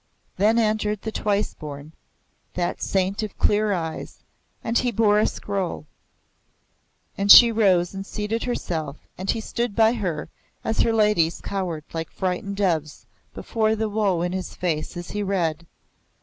Then entered the Twice Born, that saint of clear eyes, and he bore a scroll; and she rose and seated herself, and he stood by her, as her ladies cowered like frightened doves before the woe in his face as he read.